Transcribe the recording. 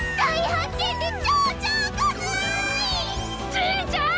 じいちゃん！